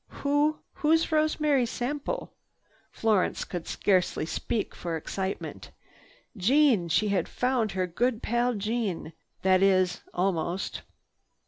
"Who—who's Rosemary Sample?" Florence could scarcely speak for excitement. Jeanne! She had found her good pal Jeanne—that is, almost.